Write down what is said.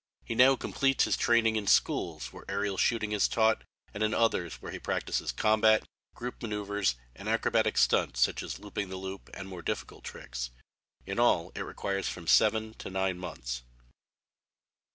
He now completes his training in schools where aërial shooting is taught, and in others where he practises combat, group manoeuvres, and acrobatic stunts such as looping the loop and the more difficult tricks. In all it requires from seven to nine months.